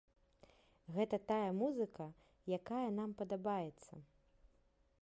Гэта тая музыка, якая нам падабаецца.